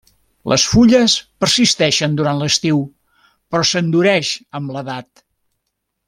Les fulles persisteixen durant l'estiu, però s'endureix amb l'edat.